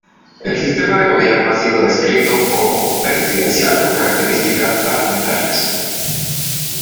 El sistema de gobierno ha sido descrito como "presidencial con características parlamentarias.